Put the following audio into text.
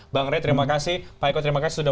bang ray terima kasih pak eko terima kasih sudah